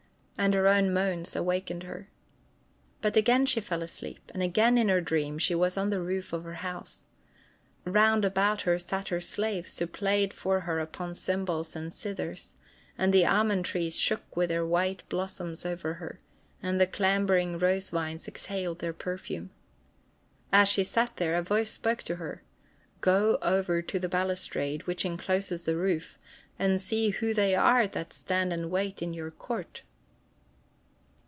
And her own moans awakened her. But again she fell asleep, and again, in her dream, she was on the roof of her house. Round about her sat her slaves, who played for her upon cymbals and zithers, and the almond trees shook their white blossoms over her, and clambering rose vines exhaled their perfume. As she sat there, a voice spoke to her: "Go over to the balustrade which incloses the roof, and see who they are that stand and wait in your court!"